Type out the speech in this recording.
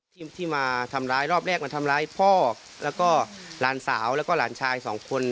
ที่มาทำร้ายรอบแรกมาทำร้ายพ่อแล้วก็หลานสาวแล้วก็หลานชายสองคน